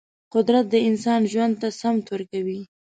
قدرت د انسان ژوند ته سمت ورکوي.